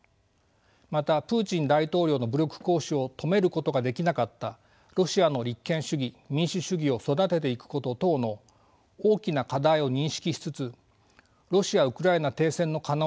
またプーチン大統領の武力行使を止めることができなかったロシアの立憲主義民主主義を育てていくこと等の大きな課題を認識しつつロシア・ウクライナ停戦の可能性を模索したいと私は考えます。